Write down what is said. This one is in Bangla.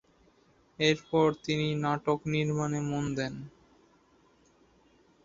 এরপর তিনি নাটক নির্মাণে মন দেন।